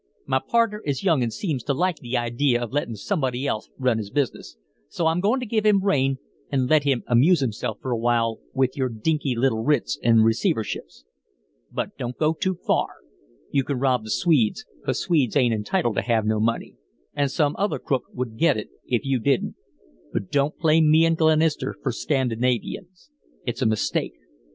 My pardner is young an' seems to like the idee of lettin' somebody else run his business, so I'm goin' to give him rein and let him amuse himself for a while with your dinky little writs an' receiverships. But don't go too far you can rob the Swedes, 'cause Swedes ain't entitled to have no money, an' some other crook would get it if you didn't, but don't play me an' Glenister fer Scandinavians. It's a mistake.